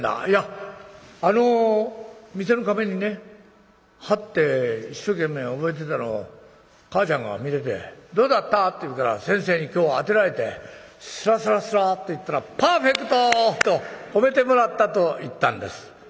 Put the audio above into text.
「いやあの店の壁にね貼って一生懸命覚えてたのを母ちゃんが見てて『どうだった？』って言うから先生に今日当てられてすらすらすらっと言ったら『パーフェクト』と褒めてもらったと言ったんです」。